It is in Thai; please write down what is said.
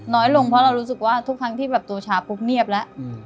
น้อยลงเพราะเรารู้สึกว่าทุกครั้งที่แบบตัวชาปุ๊บเงียบแล้ว